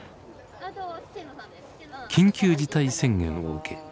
緊急事態宣言を受け